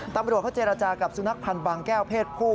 ตำรวจเขาเจรจากับสุนัขพันธ์บางแก้วเพศผู้